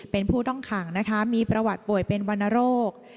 เป็นผู้ต้องขังนะคะมีประวัติป่วยเป็นวรรณโรค